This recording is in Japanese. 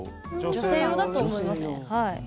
女性用だと思いますねはい。